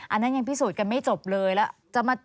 อันนั้นยังพิสูจน์กันไม่จบเลยแล้วจะมา